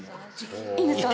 いいんですか？